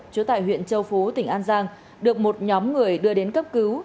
chứa tại huyện châu phú tỉnh an giang được một nhóm người đưa đến cấp cứu